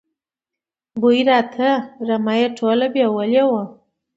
بوی راته، رمه یې ټوله بېولې وه.